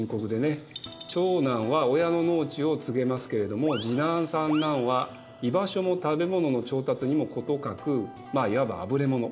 長男は親の農地を継げますけれども次男三男は居場所も食べ物の調達にも事欠くまあいわばあぶれ者。